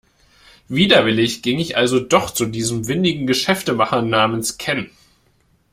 Widerwillig ging ich also doch zu diesem windigen Geschäftemacher namens Ken.